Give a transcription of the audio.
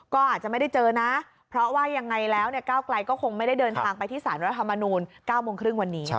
ก็อาจจะไม่ได้เจอนะเพราะว่ายังไงแล้วก้าวไกลก็คงไม่ได้เดินทางไปที่สารรัฐมนูล๙โมงครึ่งวันนี้